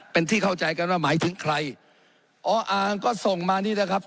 เป็นที่เข้าใจกันว่าหมายถึงใครออ่างก็ส่งมานี่แหละครับ